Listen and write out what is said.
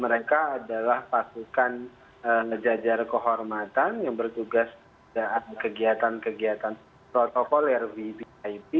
mereka adalah pasukan jajar kehormatan yang bertugas kegiatan kegiatan protokoler vvip